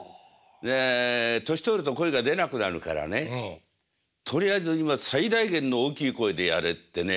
で年取ると声が出なくなるからねとりあえず今最大限の大きい声でやれってね